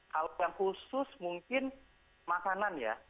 kalau yang khusus mungkin makanan ya